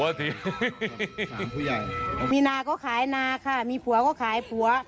ถามผู้ใหญ่มีนาก็ขายนาค่ะมีผัวก็ขายผัว